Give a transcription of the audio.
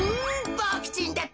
ボクちんだって！